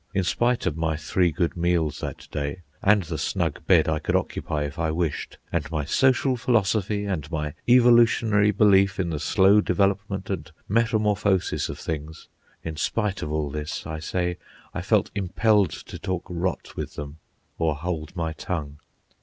In spite of my three good meals that day, and the snug bed I could occupy if I wished, and my social philosophy, and my evolutionary belief in the slow development and metamorphosis of things—in spite of all this, I say, I felt impelled to talk rot with them or hold my tongue.